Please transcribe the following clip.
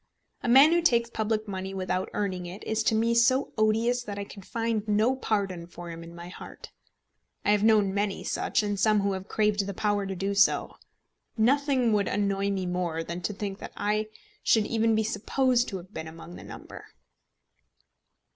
A man who takes public money without earning it is to me so odious that I can find no pardon for him in my heart. I have known many such, and some who have craved the power to do so. Nothing would annoy me more than to think that I should even be supposed to have been among the number.